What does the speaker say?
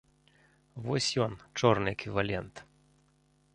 Вось ён, чорны эквівалент.